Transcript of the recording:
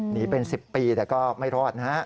หนีเป็น๑๐ปีแต่ก็ไม่รอดนะฮะ